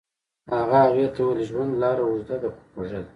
هغه هغې ته وویل ژوند لاره اوږده خو خوږه ده.